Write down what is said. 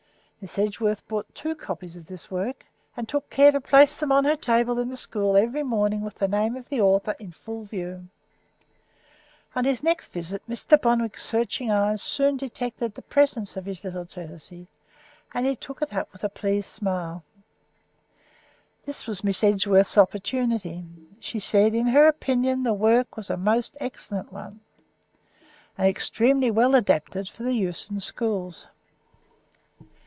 Miss Edgeworth bought two copies of this work, and took care to place them on her table in the school every morning with the name of the author in full view. On his next visit Mr. Bonwick's searching eyes soon detected the presence of his little treatise, and he took it up with a pleased smile. This was Miss Edgeworth's opportunity; she said, in her opinion, the work was a must excellent one, and extremely well adapted for the use of schools.